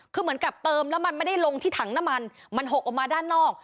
คือเหมือนกับเติมแล้วมันไม่ได้ลงที่ถังน้ำมันมันหกออกมาด้านนอก